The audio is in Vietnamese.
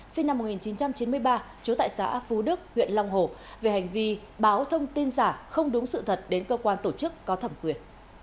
sinh năm một nghìn chín trăm chín mươi ba trú tại xã phú đức huyện long hồ về hành vi báo thông tin giả không đúng sự thật đến cơ quan tổ chức có thẩm quyền